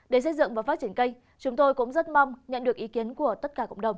để xây dựng và phát triển cây chúng tôi cũng rất mong nhận được ý kiến của tất cả cộng đồng